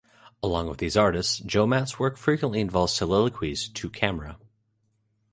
Along with these artists, Joe Matt's work frequently involves soliloquies "to camera".